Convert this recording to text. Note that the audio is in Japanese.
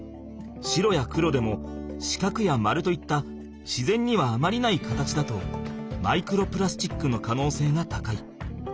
白や黒でも四角や丸といった自然にはあまりない形だとマイクロプラスチックの可能性が高い。